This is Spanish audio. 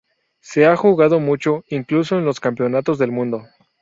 Se ha jugado mucho, incluso en los campeonatos del mundo.